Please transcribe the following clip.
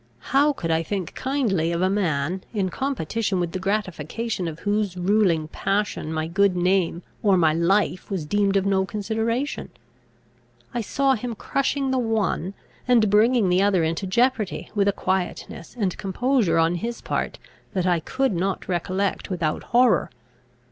How could I think kindly of a man, in competition with the gratification of whose ruling passion my good name or my life was deemed of no consideration? I saw him crushing the one, and bringing the other into jeopardy, with a quietness and composure on his part that I could not recollect without horror.